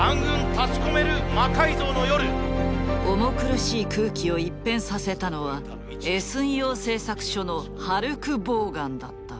重苦しい空気を一変させたのはＳ陽製作所のハルク・ボーガンだった。